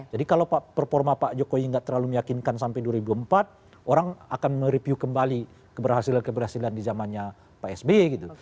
jadi kalau performa pak jokowi tidak terlalu meyakinkan sampai dua ribu empat orang akan mereview kembali keberhasilan keberhasilan di zamannya pak sbi gitu